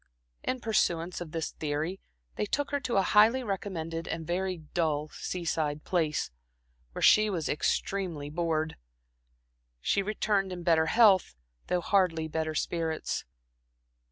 In pursuance of this theory, they took her to a highly recommended and very dull seaside place, where she was extremely bored. She returned in better health, though hardly better spirits.